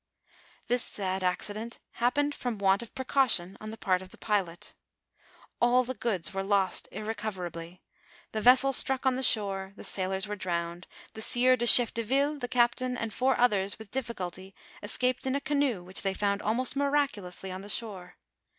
This sad accident happened from want of pre caution on the part of the pilot. All the goods were lost iiTe coverably ; the vessel struck on the shore, the sailors were drowned ; the sieur de Chefdeville, the captain, and four others, with diflSculty, escaped in a canoe which they found almost miraculously on the shore.